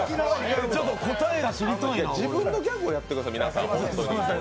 自分のギャグをやってください皆さん。